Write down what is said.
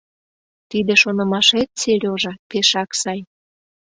— Тиде шонымашет, Серёжа, пешак сай.